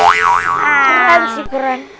keren sih keren